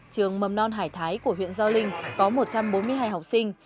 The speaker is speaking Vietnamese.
trường mầm non hải thái của huyện do linh có một trăm bốn mươi hai học sinh